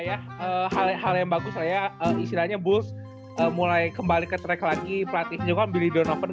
ya hal yang bagus saya istilahnya bus mulai kembali ke track lagi pelatih juga beli donovan